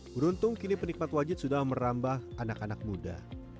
beruntung kini penikmat wajit sudah merambah anak anak muda